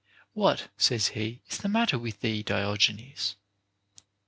What (says he) is the matter with thee, Diogenes